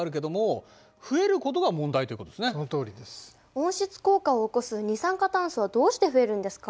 温室効果を起こす二酸化炭素はどうして増えるんですか？